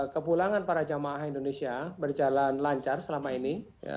kepulangan para jamaah indonesia berjalan lancar selama ini